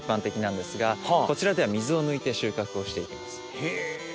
へぇ！